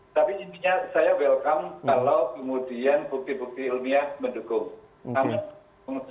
tapi intinya saya welcome kalau kemudian bukti bukti ilmiah mendukung